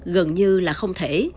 gần như là không thể